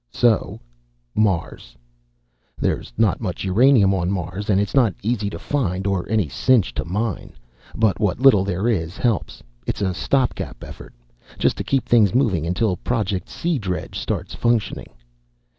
So, Mars. There's not much uranium on Mars, and it's not easy to find or any cinch to mine. But what little is there, helps. It's a stopgap effort, just to keep things moving until Project Sea Dredge starts functioning.